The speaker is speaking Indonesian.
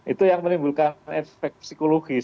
itu yang menimbulkan efek psikologis